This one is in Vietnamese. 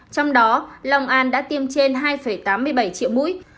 trong đó long an đã tiêm trên hai tám mươi bảy triệu mũi